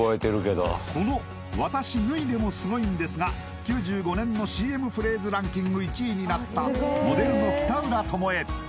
この「私脱いでもスゴイんです」が９５年のＣＭフレーズランキング１位になったモデルの北浦共笑